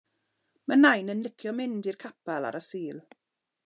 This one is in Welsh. Mae nain yn licio mynd i'r capal ar y Sul.